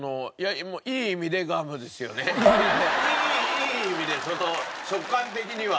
いい意味でその食感的には。